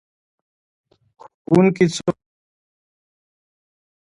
ښوونکي څومره معاش لري؟